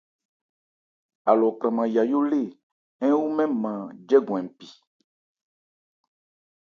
Alɔ kranman yayó lê ń wu mɛ́n nman jɛ́gɔn npi.